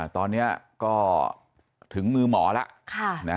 ตอนนี้ก็ถึงมือหมอแล้ว